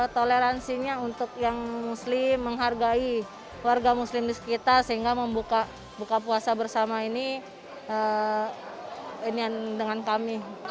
toleransinya untuk yang muslim menghargai warga muslim di sekitar sehingga membuka buka puasa bersama ini dengan kami